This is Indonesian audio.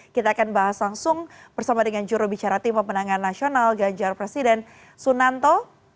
kita akan bahas langsung bersama dengan jurubicara tim pemenangan nasional ganjar presiden sunanto